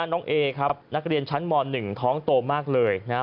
น้องเอครับนักเรียนชั้นม๑ท้องโตมากเลยนะครับ